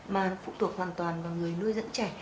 mà phụ thuộc hoàn toàn vào người nuôi dẫn trẻ